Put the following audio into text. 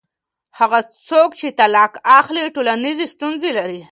هغه څوک چې طلاق اخلي ټولنیزې ستونزې لري.